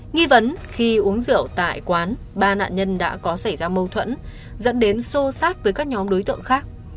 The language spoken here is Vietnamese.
nghi vấn khi uống rượu tại quán ba nạn nhân đã có xảy ra mâu thuẫn dẫn đến xô sát với các nhóm đối tượng khác